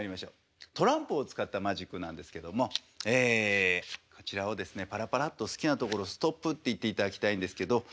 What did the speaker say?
トランプを使ったマジックなんですけどもこちらをですねパラパラっとすきなところを「ストップ」って言っていただきたいんですけど。